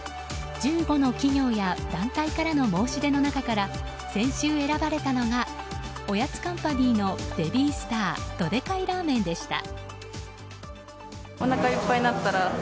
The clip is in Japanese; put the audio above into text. １５の企業や団体からの申し出の中から先週選ばれたのはおやつカンパニーのベビースタードデカイラーメンでした。